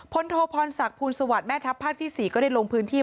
พลโทพรศักดิ์ภูมิสวรรค์แม่ทัพภาคที่๔ก็ได้ลงพื้นที่